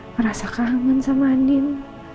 merasa kangen sama anding